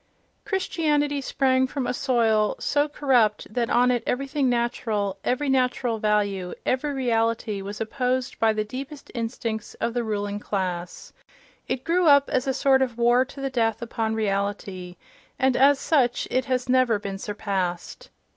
Christianity sprang from a soil so corrupt that on it everything natural, every natural value, every reality was opposed by the deepest instincts of the ruling class—it grew up as a sort of war to the death upon reality, and as such it has never been surpassed.